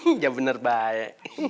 nggak bener bahaya